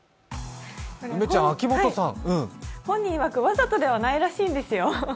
本人いわく、わざとではないらしいんですよ。